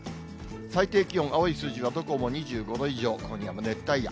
最低気温、青い数字は、どこも２５度以上、今夜も熱帯夜。